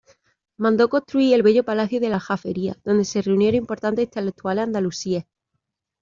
Mandó construir el bello palacio de la Aljafería donde se reunieron importantes intelectuales andalusíes.